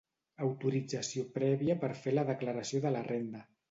Autorització prèvia per fer la declaració de la renda.